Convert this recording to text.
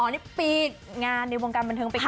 นี่ปีงานในวงการบันเทิงไปก่อน